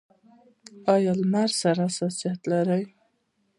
ایا له لمر سره حساسیت لرئ؟